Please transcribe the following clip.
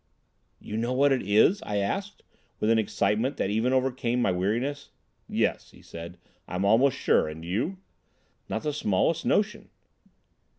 "You know what it is?" I asked, with an excitement that even overcame my weariness. "Yes," he said, "I'm almost sure. And you?" "Not the smallest notion."